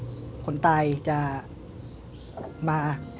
ที่คนตายจะมา